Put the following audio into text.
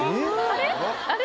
あれ？